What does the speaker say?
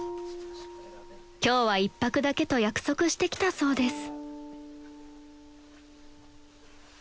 ［今日は１泊だけと約束してきたそうです］